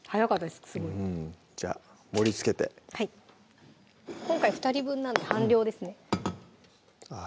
すごいじゃあ盛りつけて今回二人分なんで半量ですねあっ